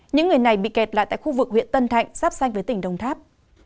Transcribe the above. những người này bị kẹt lại tại khu vực huyện tân thạnh giáp danh với tỉnh đồng tháp